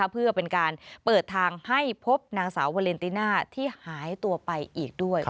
เพื่อเป็นการเปิดทางให้พบนางสาววาเลนติน่าที่หายตัวไปอีกด้วย